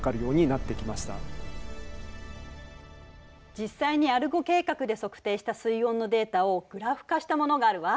実際にアルゴ計画で測定した水温のデータをグラフ化したものがあるわ。